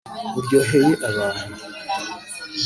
uryoheye abantu